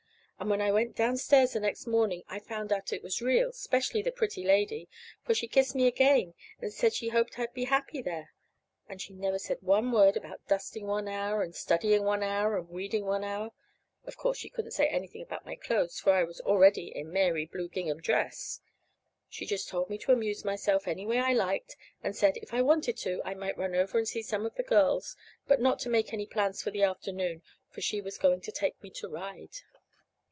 And when I went downstairs the next morning I found out it was real, 'specially the pretty lady; for she kissed me again, and said she hoped I'd be happy there. And she never said one word about dusting one hour and studying one hour and weeding one hour. (Of course, she couldn't say anything about my clothes, for I was already in a Mary blue gingham dress.) She just told me to amuse myself any way I liked, and said, if I wanted to, I might run over to see some of the girls, but not to make any plans for the afternoon, for she was going to take me to ride.